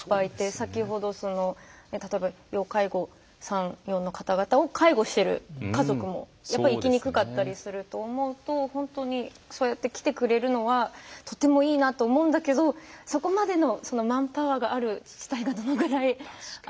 先ほど例えば要介護３４の方々を介護している家族もやっぱり行きにくかったりすると思うと本当にそうやって来てくれるのはとてもいいなと思うんだけどそこまでのマンパワーがある自治体がどのぐらいあるのか。